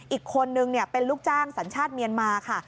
อีกคนนึงเป็นลูกจ้างสัญชาติเมียนมาค่ะ